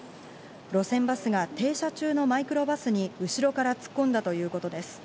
路線バスが停車中のマイクロバスに後ろから突っ込んだということです。